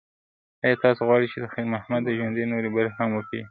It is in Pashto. ایا تاسو غواړئ چې د خیر محمد د ژوند نورې برخې هم وپیژنئ؟